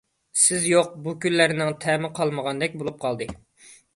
سىز يوق بۇ كۈنلەرنىڭ تەمى قالمىغاندەك بولۇپ قالدى.